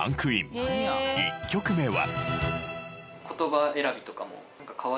１曲目は。